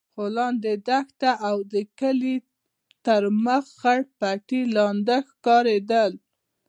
خو لاندې دښته او د کلي تر مخ خړ پټي لانده ښکارېدل.